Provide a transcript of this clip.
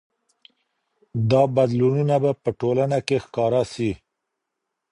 دا بدلونونه به په ټولنه کي ښکاره سي.